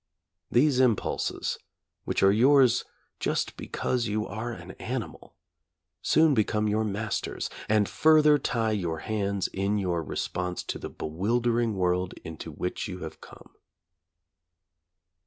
These impulses, which are yours just because you are an animal, soon become your masters, and further tie your hands in your response to the bewildering world into which you have come.